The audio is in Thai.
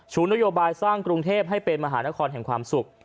นโยบายสร้างกรุงเทพให้เป็นมหานครแห่งความสุข